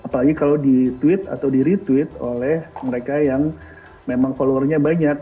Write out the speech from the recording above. apalagi kalau di tweet atau di retweet oleh mereka yang memang followernya banyak